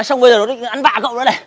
xong bây giờ nó định ăn vạ cậu nữa này